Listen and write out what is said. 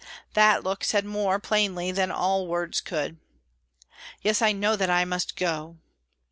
That look said more plainly than all words could: "Yes, I know that I must go!"